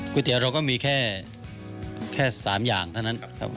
ก๋วยเตี๋ยวเราก็มีแค่แค่สามอย่างเท่านั้นครับ